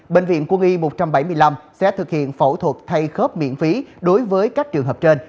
bệnh viện quân y một trăm bảy mươi năm sẽ thực hiện phẫu thuật thay khớp miễn phí đối với các trường hợp trên